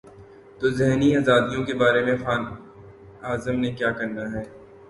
تو ذہنی آزادیوں کے بارے میں خان اعظم نے کیا کرنا ہے۔